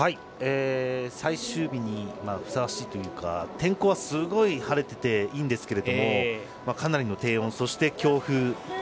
最終日にふさわしいというか天候はすごく晴れていていいんですがかなりの低温、そして強風。